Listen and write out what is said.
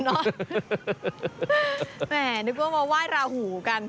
นึกว่ามาไหว้ราหูกัน